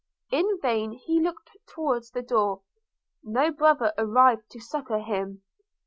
In vain he looked towards the door – no brother arrived to succor him.